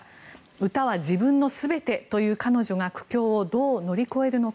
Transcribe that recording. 歌は自分の全てという彼女が苦境をどう乗り越えるのか。